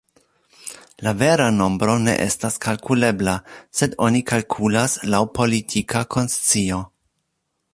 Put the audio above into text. La vera nombro ne estas kalkulebla, sed oni kalkulas laŭ politika konscio.